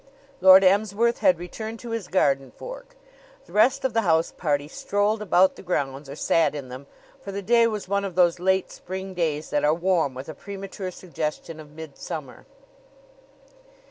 Lord Emsworth had returned to his garden fork. The rest of the house party strolled about the grounds or sat in them, for the day was one of those late spring days that are warm with a premature suggestion of midsummer.